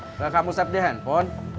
enggak kamu save di handphone